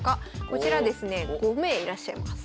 こちらですね５名いらっしゃいます。